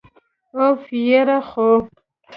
أف، یره خو!!